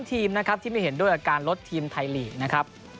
๑๓ทีมที่ไม่เห็นด้วยกับการลดทีมไทยลีก